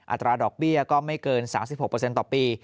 อัตราดอกเบี้ยก็ไม่เกิน๓๖ต่อปี